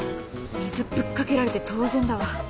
水ぶっかけられて当然だわ